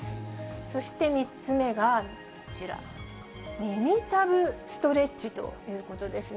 そして３つ目がこちら、耳たぶストレッチということですね。